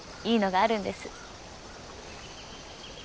いいのがあるんです。